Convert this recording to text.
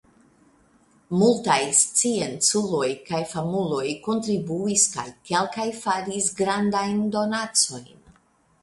Multaj scienculoj kaj famuloj kontribuis kaj kelkaj faris grandajn donacojn.